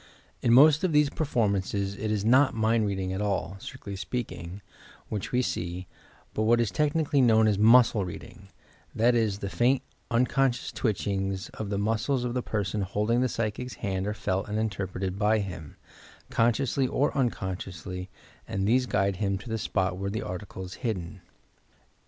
In most of these performances it is not mind reading at all, strictly speaking, which we see, but what is tech nically known as "muscle reading," — that is, the faint, unconscious twitehings of the muscles of the person hold ing the psychic 's hand are felt and interpreted by him, consciously or unconsciously, and these guide him to the spot where the article is hidden.